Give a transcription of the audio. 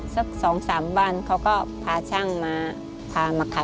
สักสองสามเบิ้ลเขาก็พาช่างมาพามะขันให้